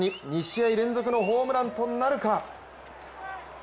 ２試合連続のホームランとなるか。